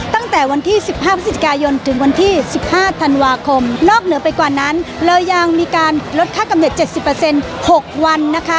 ตั้งแต่วันที่๑๕พฤศจิกายนถึงวันที่๑๕ธันวาคมนอกเหนือไปกว่านั้นเรายังมีการลดค่ากำเนิด๗๐๖วันนะคะ